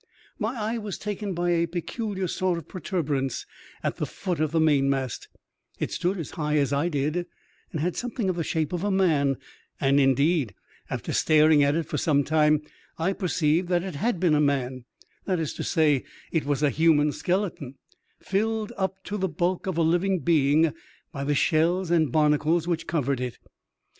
My eye was taken by a peculiar sort of protuberance at the foot of the mainmast ; it stood as high as I did and had something of the shape of a man, and, indeed, after staring at it for some time, I perceived that it had been a man : that is to say, it was a human skeleton, filled up to the bulk of a living being by the shells and barnacles which covered it.